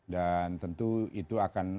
dan tentu itu akan